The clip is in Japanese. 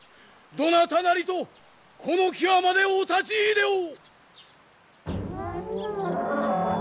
どなたなりとこの際までお立ちいでを！